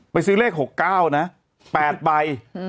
ซื้อเลข๖๙นะ๘ใบ